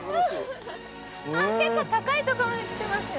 結構高いとこまで来てますよ。